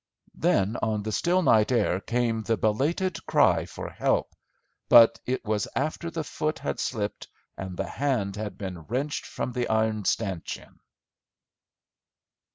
Then on the still night air came the belated cry for help, but it was after the foot had slipped and the hand had been wrenched from the iron stanchion.